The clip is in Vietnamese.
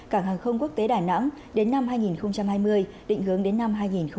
cảng hàng không quốc tế đà nẵng đến năm hai nghìn hai mươi định hướng đến năm hai nghìn ba mươi